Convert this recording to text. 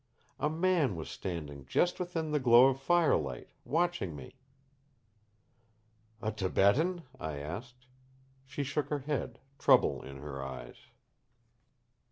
"A man was standing just within the glow of firelight, watching me." "A Tibetan?" I asked. She shook her head, trouble in her eyes.